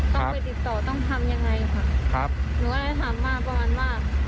ต้องไปติดต่อต้องทำยังไงค่ะครับหนูก็เลยถามมาประมาณว่า